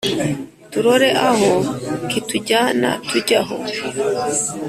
Turore aho kitujyana tujye aho